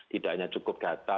tidak hanya cukup data